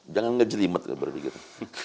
jangan ngejelimet baru begitu